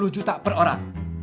sembilan puluh juta per orang